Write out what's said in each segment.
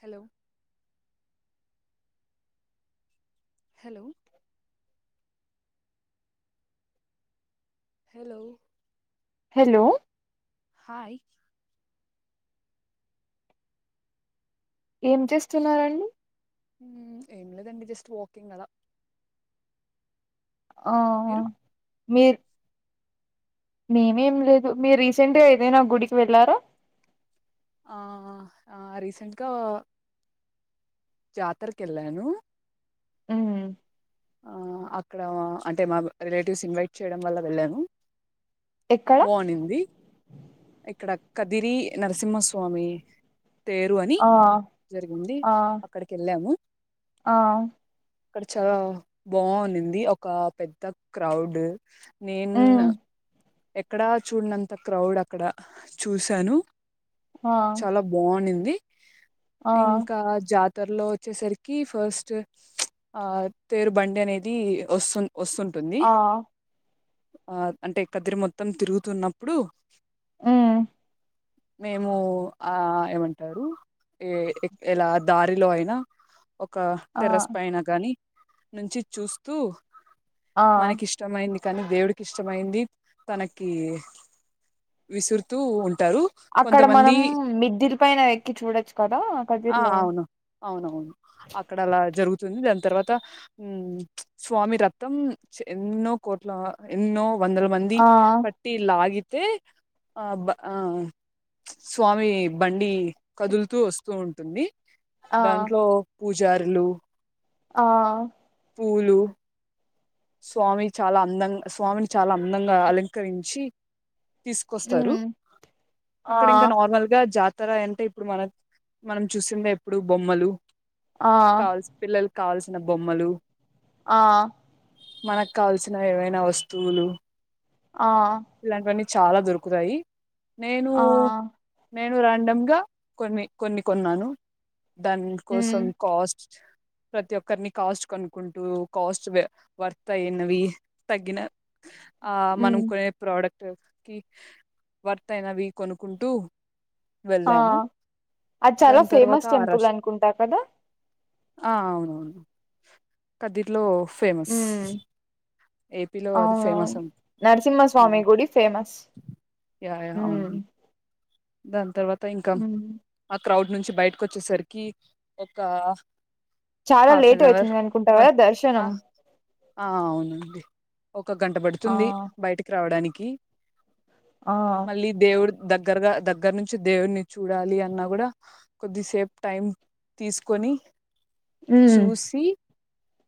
Hello hello hello hello hi ఏం చేస్తున్నారండి ఎంలేదండి జస్ట్ వాకింగ్ అలా మీరు మీర్ మేమేం లేదు మీరు రీసెంట్గా ఏదైనా గుడికి వెళ్ళారా ఆ ఆ ఆ రీసెంట్గా జాతరకి ఎల్లాను హ్మ్ అక్కడ అంటే మా రిలేటివ్స్ ఇన్వైట్ చేయడం వల్ల వెళ్ళాను ఎక్కడ బాగునింది ఇక్కడ కదిరి నరసింహస్వామి తేరు అని ఆ జరిగింది ఆ అక్కడికి వెళ్ళాము ఆ అక్కడ చాలా బావున్నింది ఒక పెద్ద క్రౌడ్ నేన్ మ్మ్ ఎక్కడా చూడనంత క్రౌడ్ అక్కడ చూశాను ఆ చాలా బావున్నింది ఆ ది ఇంకా జాతి ఇతరలో వచ్చేసరికి ఫస్ట్ ఆ తేరు బండి అనేది వస్తుంది వస్తుంటుంది ఆ ఆ అంటే కదిరి మొత్తం తిరుగుతున్నప్పుడు ఉమ్ మేము ఆ ఏమంటారు ఏ ఎలా దారిలో అయినా ఒక ఆ టెరస్ పైన గాని నుంచి చూస్తూ ఆ మనకి ఇష్టమైంది కానీ దేవుడికి ఇష్టమైంది తనకి విసురుతూ ఉం అక్కడ కొంతమంది మనం మిద్దిల్ పైన ఎక్కి చూడొచ్చు కదా ఆ కదిర్లో ఆ అవును అక్కడ అలా జరుగుతుంది తర్వాత స్వామి రత్నం ఎన్నో కోట్ల ఎన్నో వందల మంది ఆ పట్టి లాగి ఆ ఆ స్వామి బండి కదులుతూ వస్తూ ఉంటాంది తుమ్మి ఆ దాంట్లో పూజారులు ఆ పూలు స్వామి చాలా అందంగా స్వామిని చాలా అందంగా అలంకరించి తీసుకొస్తారు మ్మ్ ఆ అక్కడ ఇంకా నార్మల్ గా జాతి తర అంటే ఇప్పుడు మన మనం చూసిందే ఎప్పుడు బొమ్మలు ఆ కాల్స్ పిల్లలు కావల్సిన బొమ్మలు ఆ మనకు కావల్సిన ఏవైనా వస్తువులు ఆ ఇలాంటివన్నీ చాలా దొరుకుతాయి నేను ఆ నేను రాండమ్గా కొన్ని కొన్ని కొన్నాను దాన్ మ్మ్ కోసం కాస్ట్ ప్రతి ఒక్కరిని కాస్ట్ కోనుక్కుంటూ కాస్ట్ వర్తాయినవి తగ్గిన ఆ మనం మ్మ్ కొనే ప్రోడక్ట్ ట కి వార్తైనవి కొనుకుంటూ ఆ అద్ చాలా దాని తర్వాత ఫేమస్ ఆ టెంపుల్ రష్ అనుకుంటా కదా ఆ అవునవును కదిర్లో ఫేమస్ మ్మ్ ఏపీలో అది అవ్నవ్ను ఫేమస్ అ నరసింహస్వామి గుడి ఫేమస్ దాన్ తర్వాత్ మ్మ్ క్రౌడ్ నుంచి బయటకొచ్చేసరికి ఒక చాలా లేట్ హాఫెనవర్ అవుతుంది అనుకుంటా కదా వన్ అ దర్శనం ఆ అవునండి ఒక గంట ఆ పడుతుంది బయటకి రావడానిక్ కి ఆ మళ్ళీ దేవుడు దగ్గరగా దగ్గర్ నుంచి దేవున్ని చూడాలి అన్నా గుడా కొద్దిసేపు టైం తీస్కొని ఉమ్, చూసి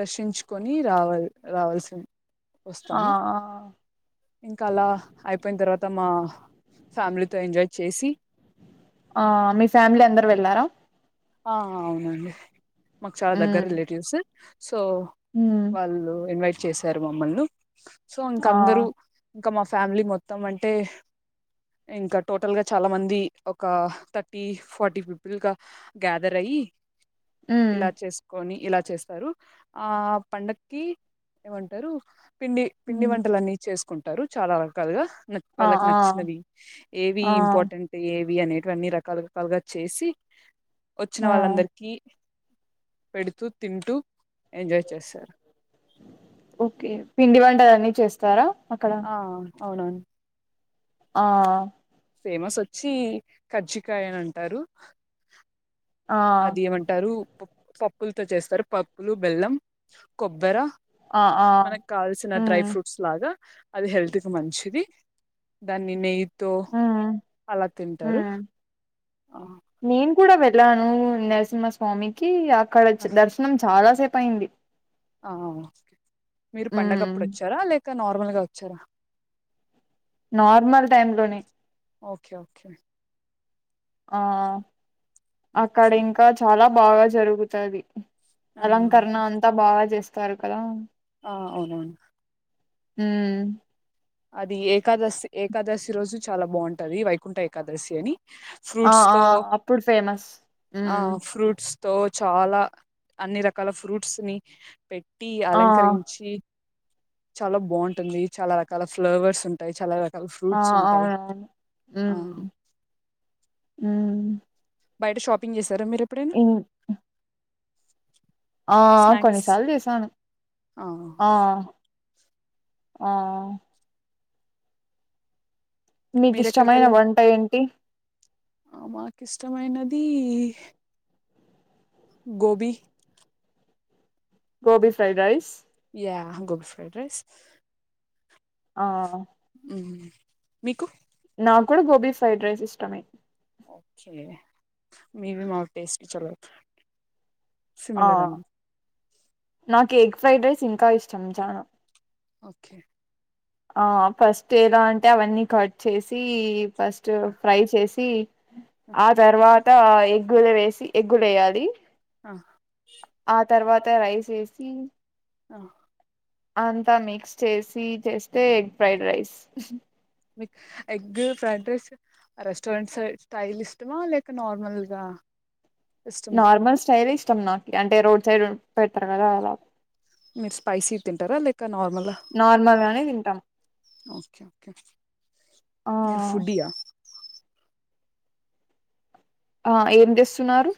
దర్శించుకొని రావలి రావాల్సింద్ ఆ వస్తాము ఆ ఇంకా అలా ఐపోయిన్ తర్వాత్ తమ ఫ్యామిలీతో ఎంజాయ్ చేసి ఆ మీ ఫ్యామిలీ అందరు వెళ్లారా ఆ అవునండి మక్ చాలా దగ్గర ఉమ్ రిలేటివ్స్సు సో ఉమ్ వాళ్ళు ఇన్వైట్ చేశారు మమ్మల్ను సో ఆ ఇంకందరు ఇంకా మా ఫ్యామిలీ మొత్తం అంటే ఇంకా టోటల్ గా చాలా మంది ఒక థర్టీ ఫార్టీ పీపుల్గా గ్యాధరయ్యి ఉమ్ ఇలా చేస్కొని ఇలా చేస్తారు ఆ పండక్కి ఏమంటరు పిండి పిండి ఉమ్, వంటలన్నీ చేస్ కుంటారు చాలా రకాలుగా న ఆ వాళ్ళకి ఆ నచ్చినవి ఏవి ఆ ఇంపార్టెంట్ ఏవ్ వి అనేటువన్నీ రకాల రకాలుగా చేసి వచ్చిన ఆ వాళ్ళందరికి పెడుతూ తింటూ ఎంజాయ్ చేశారు ఓకే పిండి వంటలన్నీ చేస్తారా అక్కడ ఆ అవునవును ఆ ఫేమస్ వచ్చి కచ్చికాయ అని అంటారు ఆ అది ఏమంటారు పప్పులతో చేస్తారు పప్పులు బెల్లం కొబ్బర ఆ ఆ మనకు కావల్సిన డ్రై ఉమ్ ఫ్రూట్స్ లాగా అది హెల్త్ కి మంచిది దాన్ని నెయ్యి తో ఉమ్ అలా తింటారు ఆ ఇప్పుడే వెళ్ళాను నరసింహస్వామికి అక్కడ దర్శనం చాలా సేపు అయ్యింది ఆ మీరు మ్మ్ పండగప్పుడు వచ్చారా లేక అంటే నార్మల్గా వచ్చారా నార్మల్ టైమ్ లోనే ఓకే ఓకే ఆ అక్కడ ఓకే ఇంకా చాలా బాగా జరుగుతాది ఆ అలంకరణ అంతా బాగా చేస్తరు వస్తారుకాద ఆ అవును అవును హ అది ఏకాదశి ఏకాదశి రోజు చాలా బాగుంటది వైకుంఠ ఏకాదశి అని ఆ ఫ్రూట్స్ ఆ తో అప్పుడు ఫేమస్ ఉ ఆ ఫ్రూట్స్ తో చాలా అన్ని రకాల ఫ్రూట్స్ ని పెట్ టి ఆ అలంకరించి చాలా బాగుంటుంది చాలా చాలా ఫ్లవర్స్ ఉంటాయి చాలా రకాల ఆ ఫ్రూట్స్ ఉంటాయి అవునవును ఆ మ్ మ్ బయట షాపింగ్ చేస్తే సరే మీరు ఎప్పుడైనా ఇన్ ఆ స్నాక్స్ కొన్నిసార్లు చేశాను ఆ ఆ మీకు మీరు ఎక్కడికి ఇష్టమైన వెళ్ళారు వంట ఏంటి ఆ మాకి ఇష్టమైనది gobi gobi fried rice yeah gobi fried rice ఆ ఉమ్ మీకు నాకు కూడా గోబీ ఫ్రైడ్ రైస్ ఇష్టమే ఓకే మీవి మావి టేస్ట్స్ట్ చల ట్ ఆ సిమిలర్ అండి నాకు ఎగ్ ఫ్రైడ్ రైస్ ఇంకా ఇష్టం చానా ఓకే ఆ ఫస్ట్ ఎలా అంటే అవన్నీ కట్ చేసి ఫస్ట్ ఫ్రై చేసి ఆ తర్వాత్ అంత ఎగ్గులు వేసి ఎగ్గులు వేయాలి ఆ హా ఆ తర్వాత రైస్ ఏసి ఆ అంతా మిక్స్ చేసి చేస్తే ఎగ్ ఫ్రైడ్ రైస్ మీకు egg fried rice restaurant style ఇష్టమా లేక నార్మల్గా ఇష్టమా నార్మల్ స్టైల్ ఇష్టం నాకు అంటే రోడ్ సైడ్ పెడతారు కదా అలా మీరు స్పైసీ తింటారా లేక నార్మల్ నార్మల్ గానే తింటాం ఆ ఆ మీరూ ఫుడ్యా ఆ ఏం తెస్తున్నారు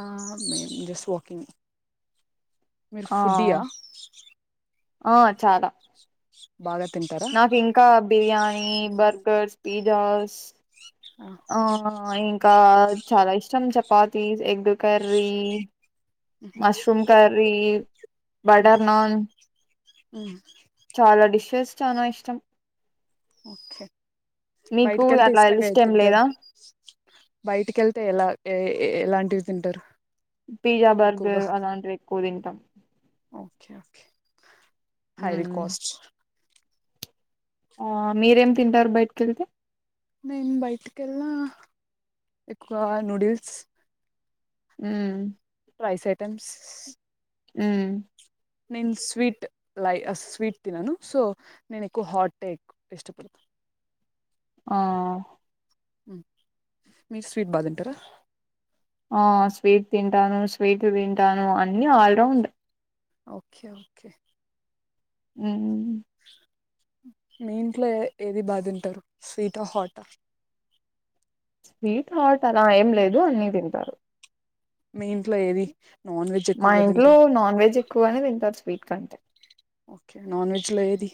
ఆ మేం జస్ట్ వాకింగ్ మీరు ఆ ఫుడియా ఆ చానా తింటారా నాకు ఇంకా బిర్యానీ బర్గర్స్ పీజాస్ ఆ ఇంకా చాలా ఇష్టం chapati egg curry mushroom curry butter naan చాలా డిషెస్ చానా ఇష్టం ఓకే మీకు బయటికి వెళ్తే అట్లా ఇష్టంగా లిస్ట్ ఏం తింటారు లేదా బయటికి వెళ్తే ఎలా లాంటివి తింటారు పిజ్జా ఎక్కువగా బర్గర్ అలాంటివి ఎక్కువ తింటాం ఓకే ఓకే హైలీ కాస్ట్ ఆ మీరేం తింటారు బయటికి వెళ్తే నేను బయటికి వెళ్ళ ఎక్కువ నూడిల్స్ అ రైస్ ఐటెమ్స్ ఆ నేను స్వీట్ లై స్వీట్ తినను సో నేను ఎక్కువ హాట్ హె ఎక్కువ ఇష్టపడత ఆ మీ స్వీట్ బా తింటారా ఆ స్వీట్ తింటాను స్వీట్లు తింటాను అన్ని ఆల్రౌండ్ ఓకే ఓకే అ మీ ఇంట్లో ఏది బాధింటారు స్వీటా హాటా స్వీట్ హార్ట్ అలా ఏం లేదు అన్ని తింటారు. మీ ఇంట్లో ఏది నాన్ వెజ్ మా ఎక్కువగా ఇంట్లో తింటారు నాన్ వెజ్ ఎక్కువ గానే తింటారు స్వీట్ కంటే ఓకే నాన్ వెజ్ లో ఏది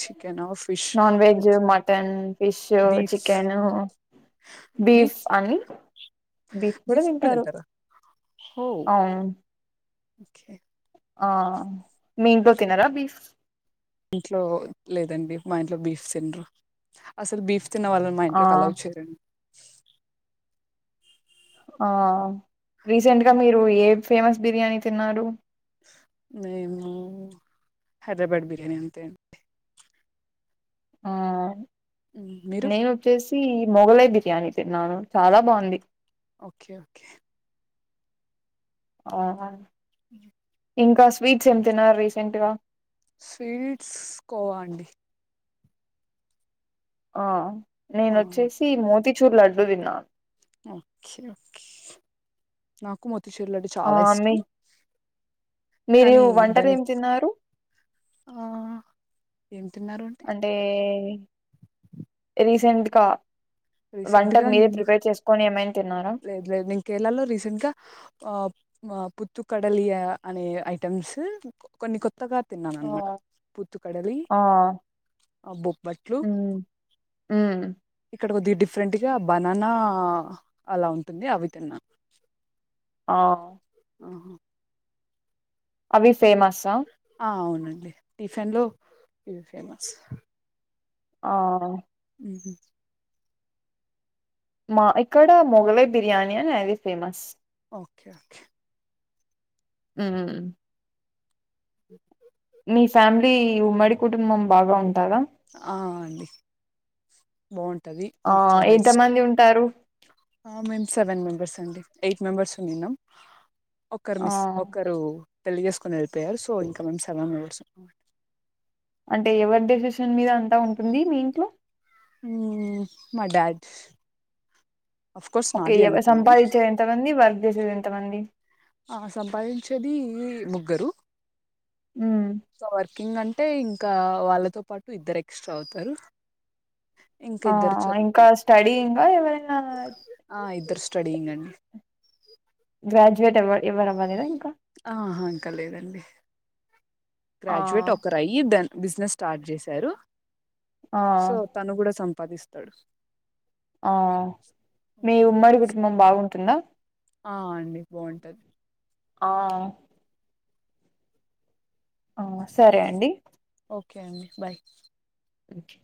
చికెనా fish non veg mutton fish beef chicken beef అని బీఫ్ కూడా తింటారు ఓ అవును ఓకే ఆ మీ ఇంట్లో తినారా బీఫ్ ఇంట్లో లేదండి మా ఇంట్లో బీఫ్ తిండ్రు అసలు బీఫ్ తిన్న వాళ్ళని మా ఆ ఇంట్లోకి అలో చేయరండి. ఆ రీసెంట్ గా మీరు ఏ ఫేమస్ బిర్యానీ తిన్నారు. మేము హైదరాబాద్ బిర్యానీ అంతే అండీ ఆ మీరు నేను మొఘలై బిర్యానీ తిన్నాను చాలా బాగుంది. ఓకే ఓకే ఆ ఇంకా స్వీట్స్ ఎం తిన్నారు రీసెంట్గా స్వీట్స్ కోవా అండి ఆ ఆ నేనోచ్చేసి మోది చూర్ లడ్డు తిన్నాను. ఓకే ఓకే నాకు మొత్తం మోతీచూర్ లడ్డు ఆ చాలా మీ ఇష్టం మీరు కానీ వంటలు ఏం దానికి తిన్నారు ఆ ఏం తిన్నారు అంటే రీసెట్ కా రీసెంట్ గా వంటర్ మీరే నేను ప్రిపేర్ చేసుకొని ఏమైని త లేదు లేదు నేను కేరళలో రీసెంట్ గా ఆ పుత్తు కడలియా అనే ఐటెమ్స్ కొన్ని కొత్త కొత్తగా తిన్నాను అనమాట పుత్తు కడలి ఆ ఆ బొబట్లు మ్మ్ మ్మ్ ఇక్కడ ఒక దిడ్ డిఫరెంట్గా బననా అలా ఉంటుంది అవి తన్నా ఆ ఆహా అవి ఫేమస్అ ఆ అవునండి టిఫిన్లో ఇవి ఫేమస్ ఆ ఉహుం మా ఇక్కడ మొఘలై బిర్యానీ అని అది ఫేమస్ ఓకే ఓకే ఉమ్ మీ ఫ్యామిలీ ఉమ్మడి కుటుంబం బాగా ఉం ఆ అండి బాగుంటది ఆ నాకు చాలా ఇష్టం ఎంతమంది ఉంటారు ఆ మేన్స్ సెవెన్ మెంబెర్స్ అండి యైట్ మెంబెర్స్ ఉన్నాం ఒకరు ఆ మిస్ ఒకరూ పెళ్లి చేసుకునే పేల్ సో ఇంకా మమ్స్ సలా ఉట్స్ వాట్ అంటే ఎవరి డెసిషన్ మీద అంతా ఉంటుంది మీ ఇంట్లో ఊ మడాడ్స్ ఓకే ఎవరు సంపాదించేది ఎంతమంది వర్క్ చేసేది ఎంతమంది ఈ ముగ్గురు మ్మ్ సో వర్కింగ్ అంటే ఇం ఇకా వాళ్ళతో పాటు ఇద్దరు ఎక్స్ట్రా అవుతారు ఇంకా ఆ ఇద్దరు చదువు ఇంకా స్టడీ ఇంకా ఎవరైనా స్టడింగ్ అండి గ్రాజ్యూవేట్ ఎవరు ఎవరూ అవ్వలేదా ఇం ఆ గ్రాజ్యువెట్ ఒక్కర్ అయి ద్దన్ బిజినెస్ స్టార్ట్ చేశారు ఆ సో తను కూడా సం ఉపాదిస్తాడు ఆ మీ ఉమ్మడి కుటుంబం బాగుంటుందా ఆ అండి బంటది ఆ ఆ సరే అండి ఓకే అండి బాయ్ ఓకే